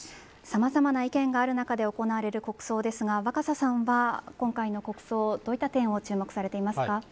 さまざまな意見がある中で行われる国葬ですが若狭さんは今回の国葬をどういった点に注目されていますか？